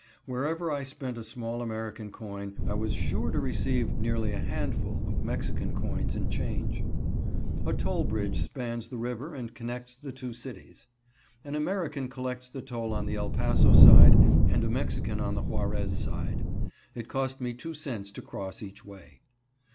Wherever I spent a small American coin, I was sure to receive nearly a handful of Mexican coins in change. A toll bridge spans the river and connects the two cities. An American collects the toll on the El Paso side and a Mexican on the Juarez side. It cost me two cents to cross each way.